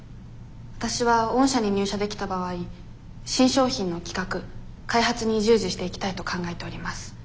わたしは御社に入社できた場合新商品の企画・開発に従事していきたいと考えております。